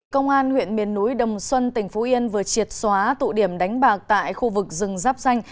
công an huyện miền núi đồng xuân tỉnh phú yên vừa triệt xóa tụ điểm đánh bạc tại khu vực rừng giáp xanh